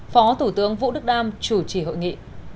phó thủ tướng vũ đức đam chủ trì hội nghị